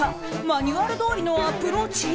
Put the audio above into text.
マニュアルどおりのアプローチ？